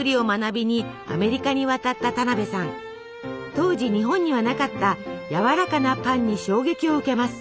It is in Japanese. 当時日本にはなかったやわらかなパンに衝撃を受けます。